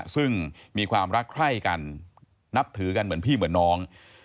ซึ่งมีความรักใคร่กันนับถือกันเหมือนพี่เหมือนน้อง